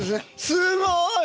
すごい！